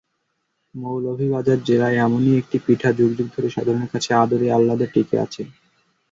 মৌলভীবাজার জেলায় এমনই একটি পিঠা যুগ যুগ ধরে সাধারণের কাছে আদরে-আহ্লাদে টিকে আছে।